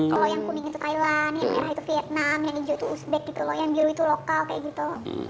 kalau yang kuning itu thailand yang merah itu vietnam yang hijau itu uzbek gitu loh yang biru itu lokal kayak gitu